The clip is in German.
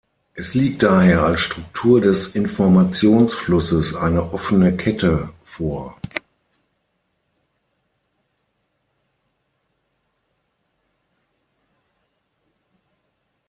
Es liegt daher als Struktur des Informationsflusses eine "offene Kette" vor.